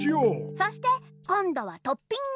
そしてこんどはトッピング。